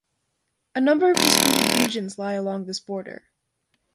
A number of disputed regions lie along this border.